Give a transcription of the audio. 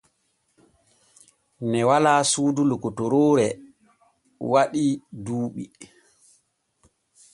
Ne walaa suudu lokotoraare waɗii duuɓi.